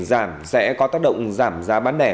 giảm sẽ có tác động giảm giá bán nẻ